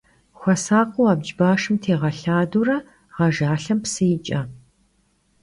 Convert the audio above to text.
Xuesakhıu abc başşım têğelhadeure ğejjalhem psı yiç'e.